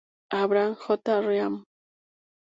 Abram J. Ryan.